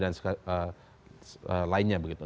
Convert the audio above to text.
dan lainnya begitu